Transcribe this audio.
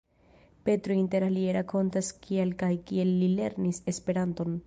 Petro inter alie rakontas kial kaj kiel li lernis Esperanton.